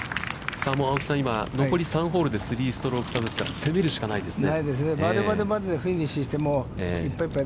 さあ青木さん、残り３ホールで３ストローク差ですから、攻めるしかないですね。